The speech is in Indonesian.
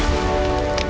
wah gue nanti aja